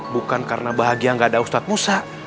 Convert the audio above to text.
bukan karena bahagia gak ada ustadz musa